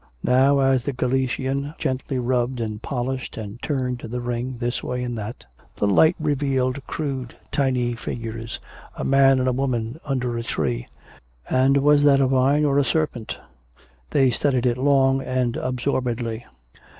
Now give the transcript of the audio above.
Now as the Galician gently rubbed and polished and turned the ring this way and that, the light revealed crude tiny figures, a man and a woman under a tree. And was that a vine or a serpent? They studied it long and absorbedly.